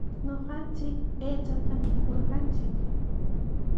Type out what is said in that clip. Ñuqanchik aychata mikurqanchik.